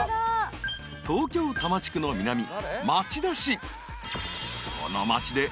［東京多摩地区の南］